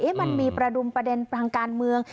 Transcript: มันมีประดุมประเด็นทางการเมือง